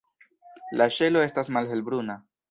La ŝelo estas malhelbruna.